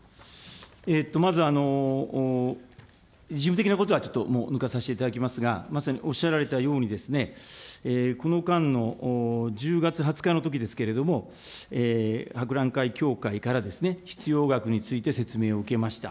まず、事務的なことはちょっと抜かさせていただきますが、まさにおっしゃられたようにですね、この間の１０月２０日のときですけれども、博覧会協会から必要額について説明を受けました。